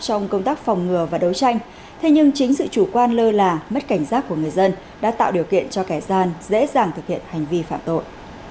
trong công tác phòng ngừa và đấu tranh thế nhưng chính sự chủ quan lơ là mất cảnh giác của người dân đã tạo điều kiện cho kẻ gian dễ dàng thực hiện hành vi phạm tội